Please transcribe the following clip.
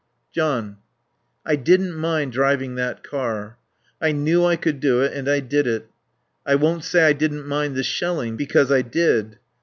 "John I didn't mind driving that car. I knew I could do it and I did it. I won't say I didn't mind the shelling, because I did.